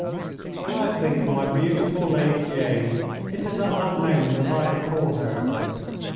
When I think of my beautiful Lady Jane it is at that moment that I recall her.